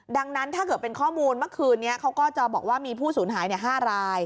ดังนั้นถ้าเกิดเป็นข้อมูลเมื่อคืนนี้เขาก็จะบอกว่ามีผู้สูญหาย๕ราย